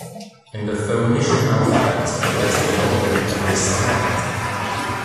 In the Phoenician alphabet, the letter was already heavily stylized.